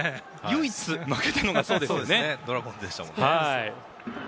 唯一、負けたのがドラゴンズでしたもんね。